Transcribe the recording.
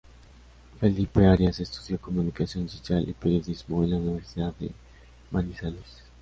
Felipe Arias estudio Comunicación social y periodismo en la Universidad de Manizales.